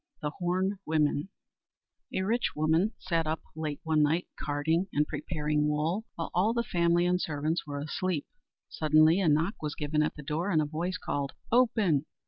The Horned Women A rich woman sat up late one night carding and preparing wool, while all the family and servants were asleep. Suddenly a knock was given at the door, and a voice called, "Open!